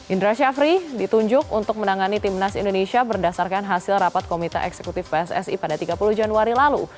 indra syafri ditunjuk untuk menangani timnas indonesia berdasarkan hasil rapat komite eksekutif pssi pada tiga puluh januari lalu